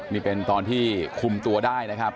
นี่เป็นตอนที่คุมตัวได้นะครับ